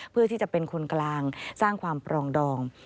เพื่อที่จะเป็นคนกลางสร้างความปรองดอง